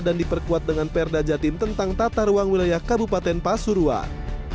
dan diperkuat dengan perda jatim tentang tata ruang wilayah kabupaten pasuruan